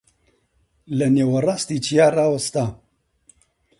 لە نێوەڕاستی چیا ڕاوەستا